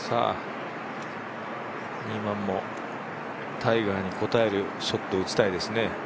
ニーマンもタイガーに応えるショットを打ちたいですね。